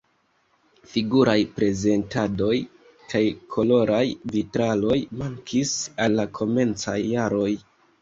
Figuraj prezentadoj kaj koloraj vitraloj mankis en la komencaj jaroj.